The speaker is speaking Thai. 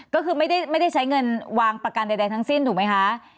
ก็คือไม่ได้ใช้เงินวางประกันใดทั้งสิ้นถูกไหมคะ